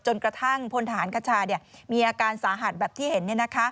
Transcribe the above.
จนกระทั่งพลทหารคชามีอาการสาหัสแบบที่เห็น